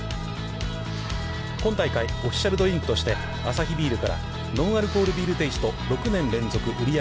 今大会、オフィシャルドリンクとしてアサヒビールからノンアルコールビールテイスト６年連続売上